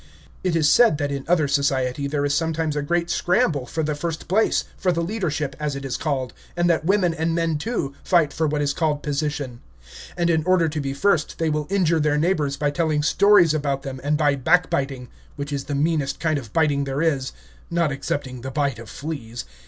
It is said that in other society there is sometimes a great scramble for the first place, for the leadership, as it is called, and that women, and men too, fight for what is called position; and in order to be first they will injure their neighbors by telling stories about them and by backbiting, which is the meanest kind of biting there is, not excepting the bite of fleas.